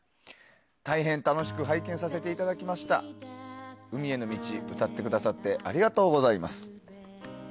大変楽しく拝見させていただきました「海への道」、歌ってくださってありがとうございます。